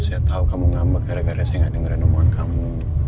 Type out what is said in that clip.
saya tahu kamu ngambek gara gara saya gak dengerin nemuan kamu